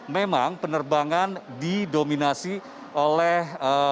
memang penerbangan didominasi oleh